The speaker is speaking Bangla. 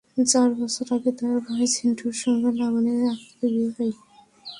চার বছর আগে তাঁর ভাই ঝিন্টুর সঙ্গে লাবণী আক্তারের বিয়ে হয়।